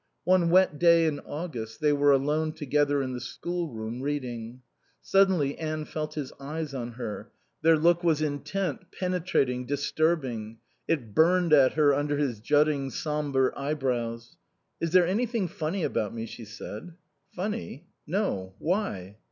One wet day in August they were alone together in the schoolroom, reading. Suddenly Anne felt his eyes on her. Their look was intent, penetrating, disturbing; it burned at her under his jutting, sombre eyebrows. "Is there anything funny about me?" she said. "Funny? No. Why?"